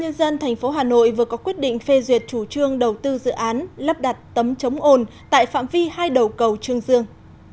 ubnd tp hà nội vừa có quyết định phê duyệt chủ trương đầu tư dự án lắp đặt tấm chống ồn tại phạm vi hai đầu cầu trương dương